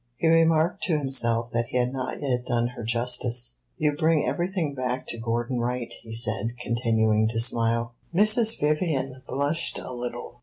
He remarked to himself that he had not yet done her justice. "You bring everything back to Gordon Wright," he said, continuing to smile. Mrs. Vivian blushed a little.